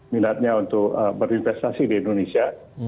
minatnya untuk berinvestasi di indonesia